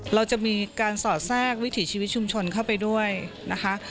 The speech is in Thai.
เราจะมีการสอดแทรกวิถีชีวิตชุมชนเข้าไปด้วยนะคะ